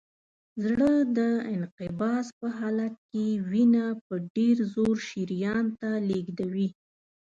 زړه د انقباض په حالت کې وینه په ډېر زور شریان ته لیږدوي.